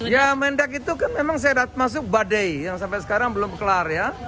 ya mendak itu kan memang saya masuk badai yang sampai sekarang belum kelar ya